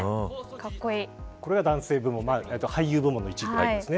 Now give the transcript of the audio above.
これが男性部門俳優部門の１位ですね。